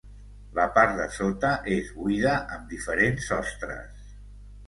La part de sota és buida amb diferents sostres.